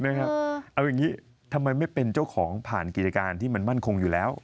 เอาอย่างนี้ทำไมไม่เป็นเจ้าของผ่านกิจการที่มันมั่นคงอยู่แล้ว